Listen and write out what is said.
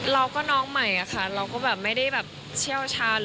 น้องก็น้องใหม่อะค่ะเราก็แบบไม่ได้แบบเชี่ยวชาญ